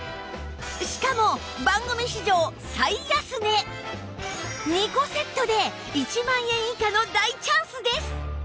しかも２個セットで１万円以下の大チャンスです